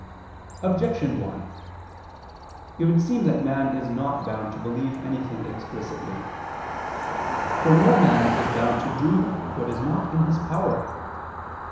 Objection 1: It would seem that man is not bound to believe anything explicitly. For no man is bound to do what is not in his power.